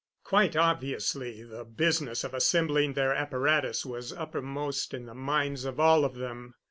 Quite obviously the business of assembling their apparatus was uppermost in the minds of all of them.